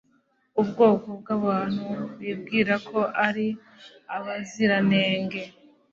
ubwoko bw'abantu bibwira ko ari abaziranenge